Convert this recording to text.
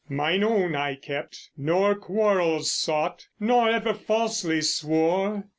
Mine own I kept, Nor quarrels sought, nor ever falsely swore.